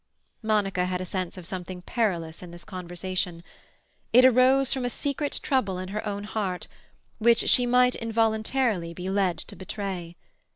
Monica had a sense of something perilous in this conversation. It arose from a secret trouble in her own heart, which she might, involuntarily, be led to betray.